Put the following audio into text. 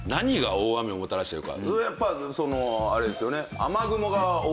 大雨をもたらしてるか？